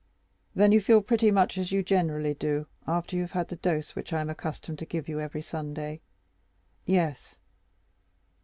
"Then you feel pretty much as you generally do after you have had the dose which I am accustomed to give you every Sunday?" "Yes."